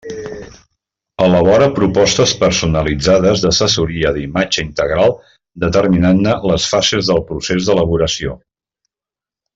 Elabora propostes personalitzades d'assessoria d'imatge integral determinant-ne les fases del procés d'elaboració.